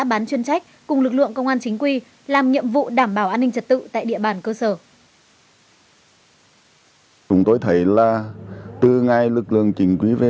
bán chuyên trách cùng lực lượng công an chính quy